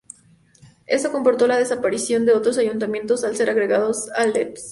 Eso comportó la desaparición de los otros ayuntamientos, al ser agregados a Llesp.